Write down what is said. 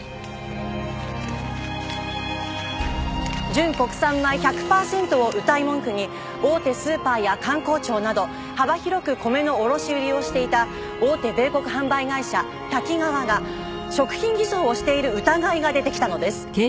純国産米１００パーセントをうたい文句に大手スーパーや官公庁など幅広く米の卸売りをしていた大手米穀販売会社タキガワが食品偽装をしている疑いが出てきたのです。